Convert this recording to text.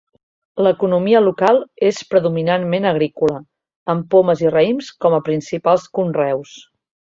L'economia local és predominantment agrícola, amb pomes i raïms com a principals conreus.